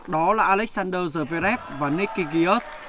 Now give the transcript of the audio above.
đó là alexander zverev và nicky gears